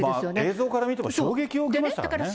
映像から見ても衝撃を受けましたからね。